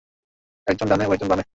একজন ডানে ও একজন বামে।